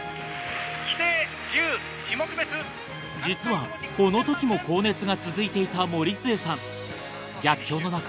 実はこの時も高熱が続いていた森末さん。